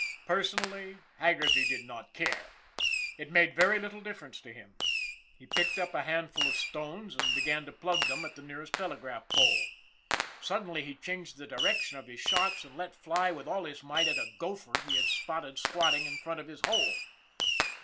Personally, Haggerty did not care. It made very little difference to him. He picked up a handful of stones, and began to plug them at the nearest telegraph pole. Suddenly he changed the direction of his shots, and let fly with all his might at a gopher he had spotted squatting in front of his hole.